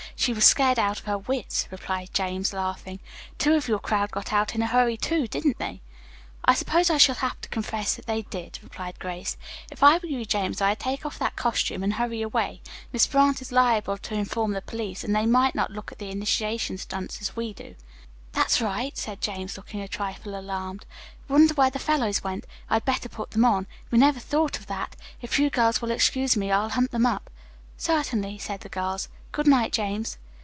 She was scared out of her wits," replied James, laughing. "Two of your crowd got out in a hurry, too, didn't they?" "I suppose I shall have to confess that they did," replied Grace. "If I were you, James, I'd take off that costume and hurry away. Miss Brant is liable to inform the police, and they might not look at initiation stunts as we do." "That's right," said James, looking a trifle alarmed. "Wonder where the fellows went. I'd better put them on. We never thought of that. If you girls will excuse me, I'll hunt them up." "Certainly," said the girls. "Good night, James."